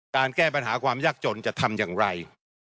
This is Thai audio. แก้ปัญหาความยากจนจะทำอย่างไร